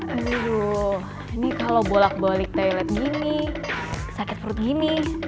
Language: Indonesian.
aduh ini kalau bolak balik toilet gini sakit perut gini